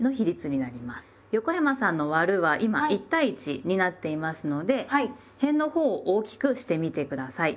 横山さんの「『割』る」は今１対１になっていますのでへんのほうを大きくしてみて下さい。